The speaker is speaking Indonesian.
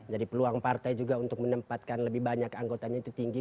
jadi peluang partai juga untuk menempatkan lebih banyak anggotanya itu tinggi